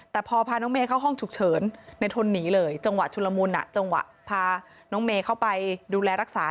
แต่พอพาน้องเมย์เข้าห้องฉุกเฉินในทนหนีเลยจังหวะชุลมุนจังหวะพาน้องเมย์เข้าไปดูแลรักษา